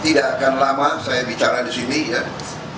tidak akan lama saya bicara di sini kan